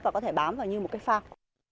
và có thể bám vào như một cái phao